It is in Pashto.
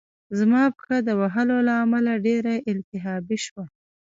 زما پښه د وهلو له امله ډېره التهابي شوه